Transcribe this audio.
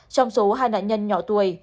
trong số hai nạn nhân nhỏ tuổi